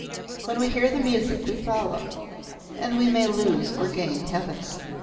When we hear the music we follow. And we may lose or gain heaven."